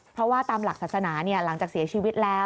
เพราะว่าตามหลักศาสนาหลังจากเสียชีวิตแล้ว